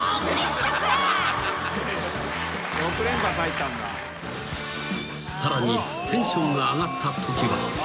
［さらにテンションが上がったときは］